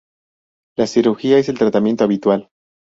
La cirugía es el tratamiento habitual.